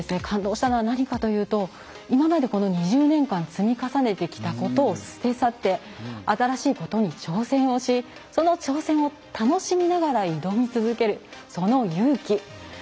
感動したのは何かというと今まで２０年間積み重ねてきたことを捨て去って新しいことに挑戦をしその挑戦を楽しみながら挑み続ける、その勇気。